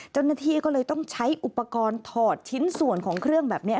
เจ้าหน้าที่ก็เลยต้องใช้อุปกรณ์ถอดชิ้นส่วนของเครื่องแบบนี้